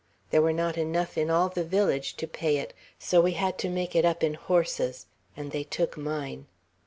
There were not enough in all the village to pay it, so we had to make it up in horses; and they took mine.